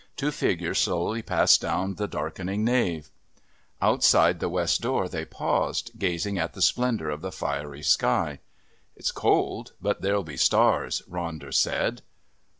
Two figures slowly passed down the darkening nave. Outside the west door they paused, gazing at the splendour of the fiery sky. "It's cold, but there'll be stars," Ronder said.